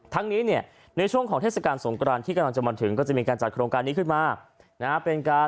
นี้เนี่ยในช่วงของเทศกาลสงกรานที่กำลังจะมาถึงก็จะมีการจัดโครงการนี้ขึ้นมานะฮะ